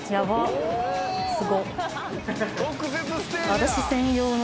私専用の。